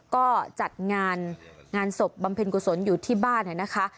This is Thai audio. ก็จัดงานงานศพบำเพ็ญกุศลอยู่ที่บ้านนะคะ